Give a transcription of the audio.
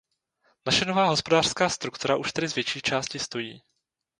Naše nová hospodářská struktura už tedy z větší části stojí.